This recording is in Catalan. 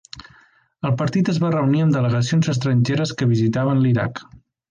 El partit es va reunir amb delegacions estrangeres que visitaven l'Iraq.